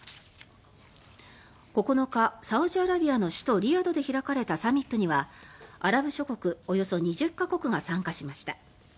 ９日、サウジアラビアの首都リヤドで開かれたサミットにはアラブ諸国およそ２０か国が参加しました。